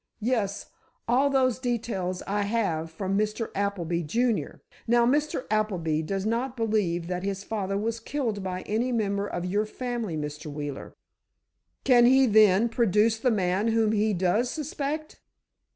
"Yes; all those details I have from Mr. Appleby, junior. Now, Mr. Appleby does not believe that his father was killed by any member of your family, Mr. Wheeler." "Can he, then, produce the man whom he does suspect?"